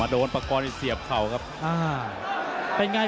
ตอนนี้มันถึง๓